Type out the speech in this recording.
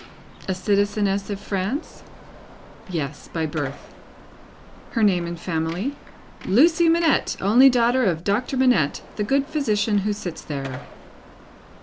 A citizeness of France? Yes. By birth. Her name and family? "Lucie Manette, only daughter of Doctor Manette, the good physician who sits there."